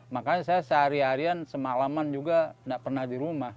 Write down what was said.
makanya saya sehari harian semalaman juga tidak pernah di rumah